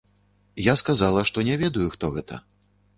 Я сказала, што не ведаю, хто гэта.